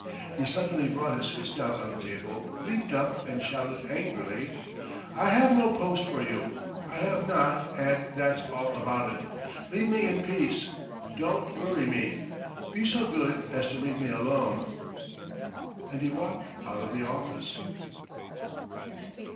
He suddenly brought his fist down on the table, leaped up, and shouted angrily: "I have no post for you! I have not, and that's all about it! Leave me in peace! Don't worry me! Be so good as to leave me alone!" And he walked out of the office.